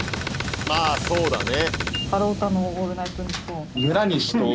まあそうだね。